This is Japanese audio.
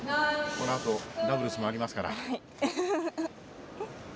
このあとダブルスもありますから。